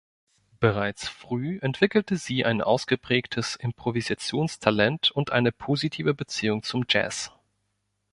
Bereits früh entwickelte sie ein ausgeprägtes Improvisationstalent und eine positive Beziehung zum Jazz.